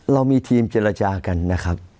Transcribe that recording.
เรามีทีมเจรจากันนะครับ